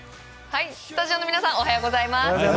スタジオの皆さんおはようございます。